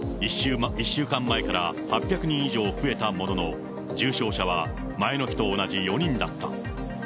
１週間前から８００人以上増えたものの、重症者は前の日と同じ４人だった。